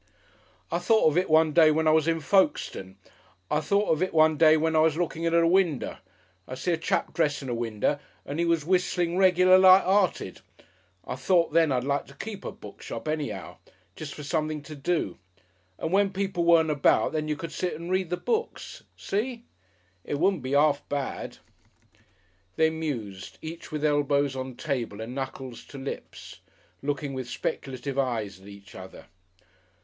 "I thought of it one day when I was in Folkestone. I thought of it one day when I was looking in at a window. I see a chap dressin' a window and he was whistlin' reg'lar light 'arted.... I thought then I'd like to keep a bookshop, any'ow, jest for something to do. And when people weren't about, then you could sit and read the books. See? It wouldn't be 'arf bad."... They mused, each with elbows on table and knuckles to lips, looking with speculative eyes at each other.